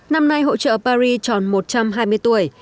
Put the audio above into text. năm nay hộ trợ paris tròn một trăm hai mươi tuổi